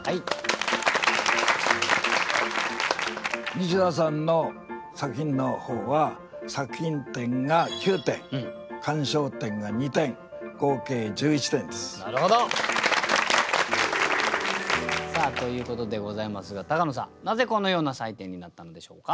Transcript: ニシダさんの作品の方はなるほど！ということでございますが高野さんなぜこのような採点になったのでしょうか？